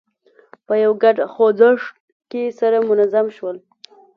په یوه ګډ خوځښت کې سره منظم شول.